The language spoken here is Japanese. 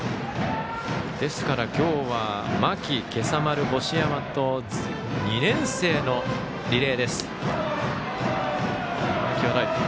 ですから今日は間木、今朝丸、星山と２年生のリレーです。